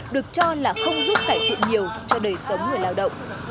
được cho là không giúp cải thiện nhiều cho đời sống người lao động